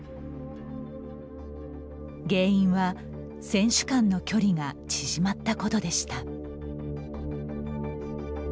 原因は、選手間の距離が縮まったことでした。